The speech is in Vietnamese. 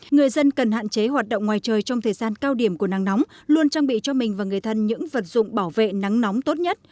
người dân cần hạn chế hoạt động ngoài trời trong thời gian cao điểm của nắng nóng luôn trang bị cho mình và người thân những vật dụng bảo vệ nắng nóng tốt nhất